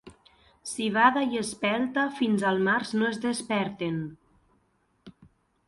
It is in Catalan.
Civada i espelta fins al març no es desperten.